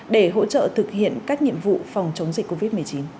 để hỗ trợ thực hiện các nhiệm vụ phòng chống dịch covid một mươi chín